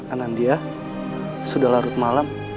anandia sudah larut malam